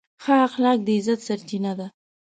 ښه اخلاق د عزت سرچینه ده.